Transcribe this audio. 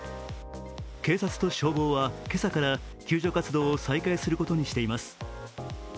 警察と消防は今朝から救助活動を再開することにしています。